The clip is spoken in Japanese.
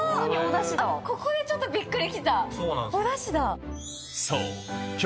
ここでちょっとびっくりきた！お出汁だ。